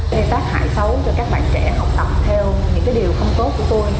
để phát hại xấu cho các bạn trẻ học tập theo những điều không tốt của tôi